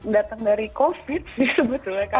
datang dari covid sih sebetulnya kan